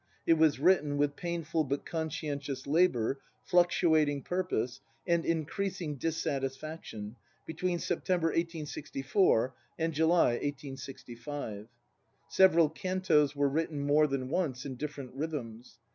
It was written, with painful but con scientious labour, fluctuating purpose, and increasing dissatisfaction, between September, 1864, and July, 1865. Several cantos were written more than once, in different rhythms.